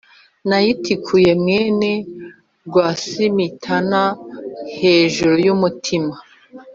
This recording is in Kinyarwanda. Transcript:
nayitikuye mwene rwasimitana hejuru y'umutima